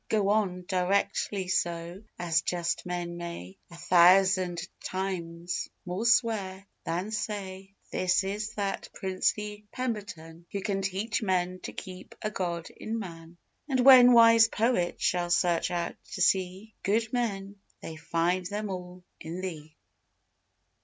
Go on directly so, as just men may A thousand times more swear, than say This is that princely Pemberton, who can Teach men to keep a God in man; And when wise poets shall search out to see Good men, they find them all in thee.